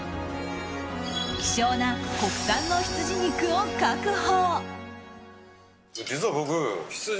希少な国産のヒツジ肉を確保。